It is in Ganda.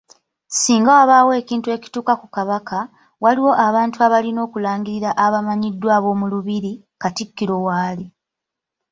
Ssinga wabaawo ekintu ekituuka ku Kabaka, waliwo abantu abalina okulangirira abamanyiddwa ab’omulubiri, Katikkiro w'ali.